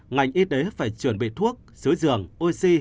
ngành y tế phải chuẩn bị thuốc sứ dường oxy